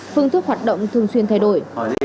phương thức hoạt động thường xuyên thay đổi